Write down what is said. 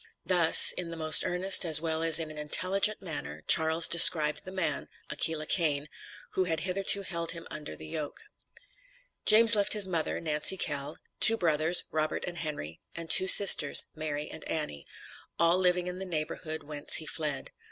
Thus, in the most earnest, as well as in an intelligent manner, Charles described the man (Aquila Cain), who had hitherto held him under the yoke. James left his mother, Nancy Kell, two brothers, Robert and Henry, and two sisters, Mary and Annie; all living in the neighborhood whence he fled.